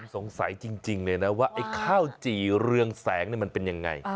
สงสัยจริงเลยนะว่าไอ้ข้าวจี่เรืองแสงมันเป็นยังไง